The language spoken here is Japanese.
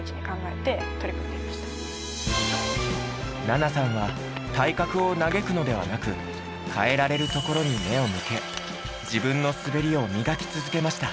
菜那さんは体格を嘆くのではなく変えられるところに目を向け自分の滑りを磨き続けました。